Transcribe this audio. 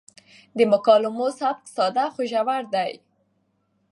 د مکالمو سبک ساده خو ژور دی.